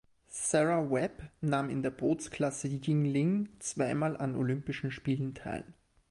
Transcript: Sarah Webb nahm in der Bootsklasse Yngling zweimal an Olympischen Spielen teil.